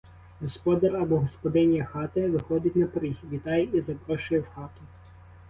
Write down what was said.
Господар або господиня хати виходить на поріг, вітає і запрошує в хату.